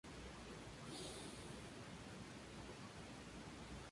La economía está dominada por el turismo y el cultivo de la piña.